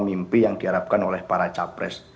mimpi yang diharapkan oleh para capres